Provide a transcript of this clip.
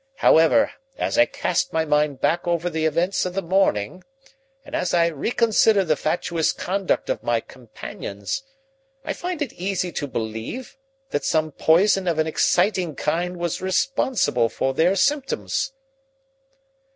However, as I cast my mind back over the events of the morning, and as I reconsider the fatuous conduct of my companions, I find it easy to believe that some poison of an exciting kind was responsible for their symptoms."